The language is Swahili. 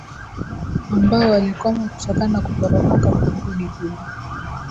ambao walikwama kutokana kuporomoka kwa mgodi huo